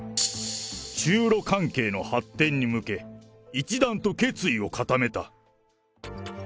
中ロ関係の発展に向け、一段と決意を固めた。